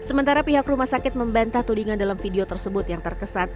hai sementara pihak rumah sakit membantah tudingan dalam video tersebut yang terkesan